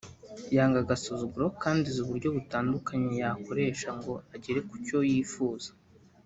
yanga agasuzuguro kandi azi uburyo butandukanye yakoresha ngo agere ku cyo yifuza